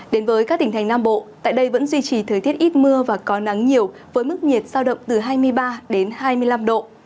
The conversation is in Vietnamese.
đến với các tỉnh thành nam bộ tại đây vẫn duy trì thời tiết ít mưa và có nắng nhiều với mức nhiệt giao động từ hai mươi ba đến hai mươi năm độ